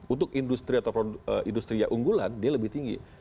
untuk industri atau industri yang unggulan dia lebih tinggi